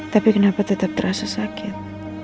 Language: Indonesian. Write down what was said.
tapi kenapa tetap terasa sakit